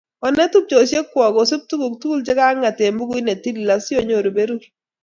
Onet tupchoshek kwok kosub tuguk tugul che kaangat eng bukuit netilil asionyoru berur